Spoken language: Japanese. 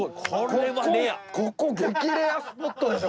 ここここ激レアスポットでしょ！